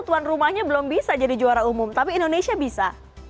tuan rumahnya belum bisa jadi juara umum tapi indonesia bisa